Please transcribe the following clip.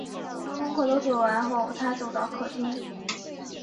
当功课都做完后，她走到客厅